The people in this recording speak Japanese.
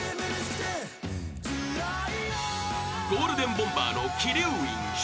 ［ゴールデンボンバーの鬼龍院翔。